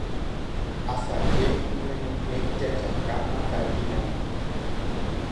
asaje omyenyhẽ ijajaka mandarínagui